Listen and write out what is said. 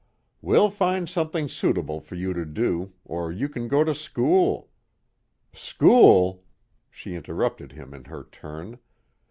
"We'll find something suitable for you to do, or you can go to school " "School!" she interrupted him in her turn.